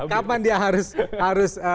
kapan dia harus